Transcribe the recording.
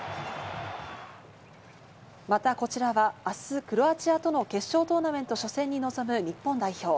またこちらは明日クロアチアとの決勝トーナメント初戦に臨む日本代表。